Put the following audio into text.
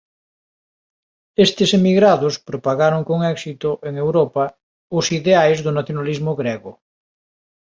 Estes emigrados propagaron con éxito en Europa os ideais do nacionalismo grego.